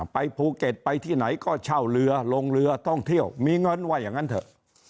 ไปภูเก็ตไปที่ไหนก็เช่าเรือลงเรือท่องเที่ยวมีเงินว่าอย่างนั้นเถอะ